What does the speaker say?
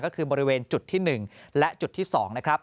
ก็คือบริเวณจุดที่๑และจุดที่๒